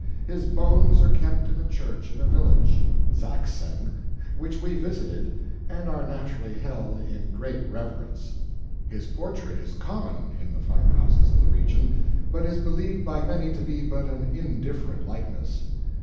His bones are kept in a church in a village (Sachseln) which we visited, and are naturally held in great reverence. His portrait is common in the farmhouses of the region, but is believed by many to be but an indifferent likeness.